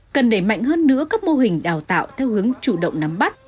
cần đẩy mạnh hơn nữa các mô hình đào tạo theo hướng chủ động nắm bắt